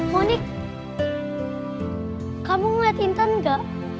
monique kamu ngeliat intan gak